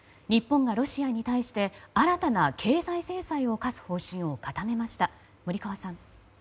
日本がロシアに対して新たな経済制裁を科す方針を固めました。